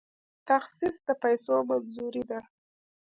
تخصیص د پیسو منظوري ده